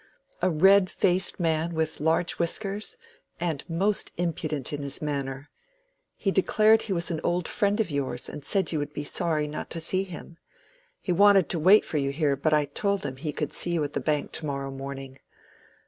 "A red faced man with large whiskers, and most impudent in his manner. He declared he was an old friend of yours, and said you would be sorry not to see him. He wanted to wait for you here, but I told him he could see you at the Bank to morrow morning.